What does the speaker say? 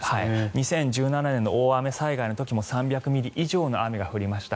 ２０１７年の大雨災害の時も３００ミリ以上の雨が降りました。